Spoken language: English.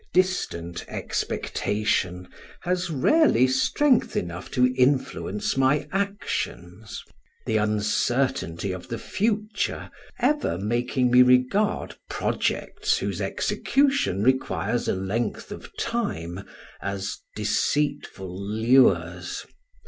Distant expectation has rarely strength enough to influence my actions; the uncertainty of the future ever making me regard projects whose execution requires a length of time as deceitful lures.